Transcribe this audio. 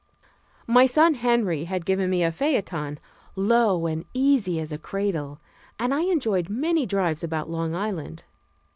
My son Henry had given me a phaeton, low and easy as a cradle, and I enjoyed many drives about Long Island.